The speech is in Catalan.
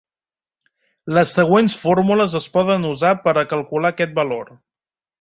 Les següents fórmules es poden usar per a calcular aquest valor.